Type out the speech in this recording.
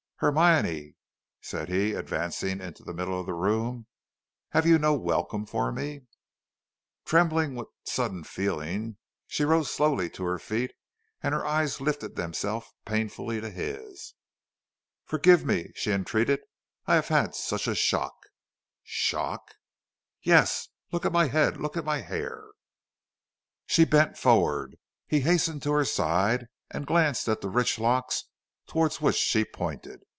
"Hermione," said he, advancing into the middle of the room, "have you no welcome for me?" Trembling with sudden feeling, she rose slowly to her feet; and her eyes lifted themselves painfully to his. "Forgive me," she entreated, "I have had such a shock." "Shock?" "Yes. Look at my head! look at my hair!" She bent forward; he hastened to her side and glanced at the rich locks towards which she pointed.